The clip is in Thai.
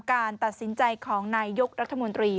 การตัดสินใจของนายยกรัฐมนตรี